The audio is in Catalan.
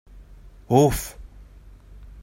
Uf!